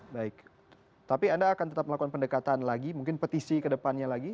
baik tapi anda akan tetap melakukan pendekatan lagi mungkin petisi ke depannya lagi